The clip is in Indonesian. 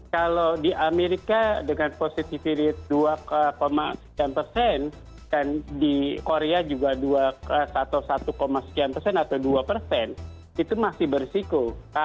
kalau di amerika dengan positivity rate dua sekian persen dan di korea juga satu sekian persen atau dua persen itu masih berisiko